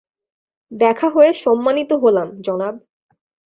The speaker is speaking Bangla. দেখা হয়ে সম্মানিত হলাম, জনাব।